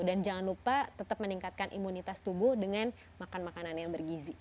dan jangan lupa tetap meningkatkan imunitas tubuh dengan makan makanan yang bergizi